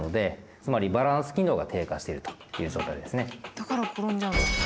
だから転んじゃうんだ。